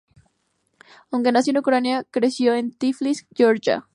Aunque nació en Ucrania, creció en Tiflis, Georgia.